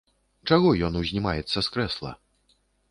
Чаго ён узнімаецца з крэсла?